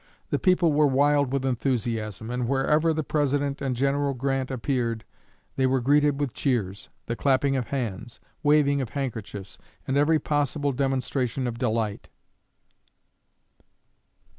The people were wild with enthusiasm, and wherever the President and General Grant appeared they were greeted with cheers, the clapping of hands, waving of handkerchiefs, and every possible demonstration of delight.